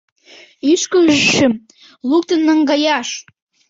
— Ӱшкыжшым луктын наҥгаяш!